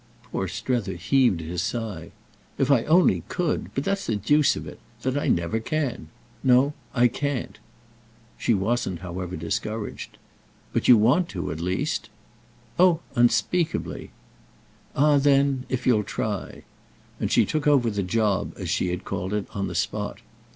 Poor Strether heaved his sigh. "If I only could! But that's the deuce of it—that I never can. No—I can't." She wasn't, however, discouraged. "But you want to at least?" "Oh unspeakably!" "Ah then, if you'll try!"—and she took over the job, as she had called it, on the spot.